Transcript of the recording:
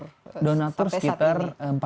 sampai saat ini donatur sekitar